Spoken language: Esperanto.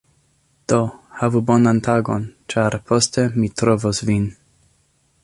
Do, havu bonan tagon, ĉar poste mi trovos vin.